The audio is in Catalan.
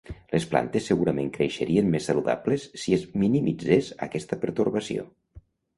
Les plantes segurament creixerien més saludables si es minimitzés aquesta pertorbació.